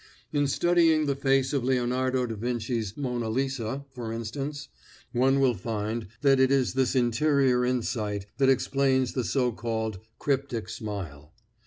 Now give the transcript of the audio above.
In studying the face of Leonardo da Vinci's 'Mona Lisa,' for instance, one will find that it is this interior insight that explains the so called "cryptic smile."